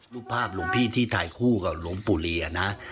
รูปภาพหลวงพี่ที่ถ่ายคู่กับหลวงปู่รีนะ